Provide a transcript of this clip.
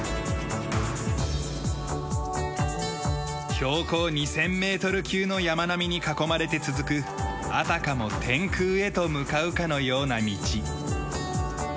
標高２０００メートル級の山並みに囲まれて続くあたかも天空へと向かうかのような道。